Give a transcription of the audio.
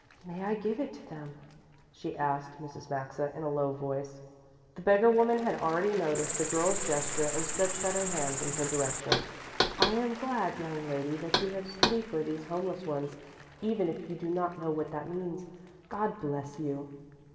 "May I give it to them?" she asked Mrs. Maxa in a low voice. The beggar woman had already noticed the girl's gesture and stretched out her hands in her direction. "I am glad, young lady, that you have pity for these homeless ones, even if you do not know what that means. God bless you!"